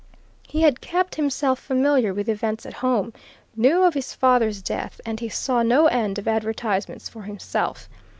He had kept himself familiar with events at home knew of his father's death, and he saw no end of advertisements for himself.